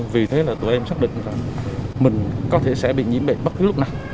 vì thế là tụi em xác định rằng mình có thể sẽ bị nhiễm bệnh bất cứ lúc nào